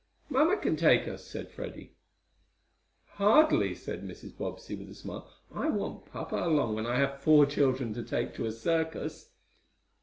"Mamma can take us," said Freddie. "Hardly," said Mrs. Bobbsey with a smile. "I want papa along when I have four children to take to a circus."